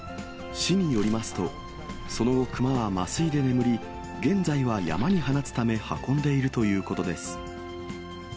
市によりますと、その後、熊は麻酔で眠り、現在は山に放つため、運んでいるということです。